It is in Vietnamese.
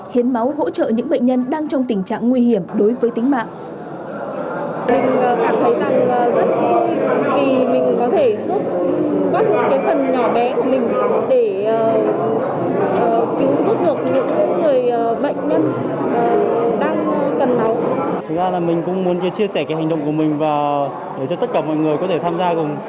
hiến máu hỗ trợ những bệnh nhân đang trong tình trạng nguy hiểm đối với tính mạng